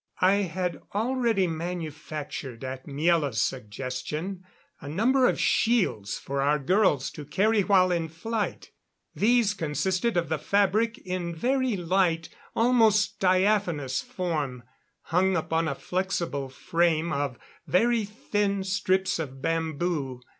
I had already manufactured, at Miela's suggestion, a number of shields for our girls to carry while in flight. These consisted of the fabric in very light, almost diaphanous, form, hung upon a flexible frame of very thin strips of bamboo.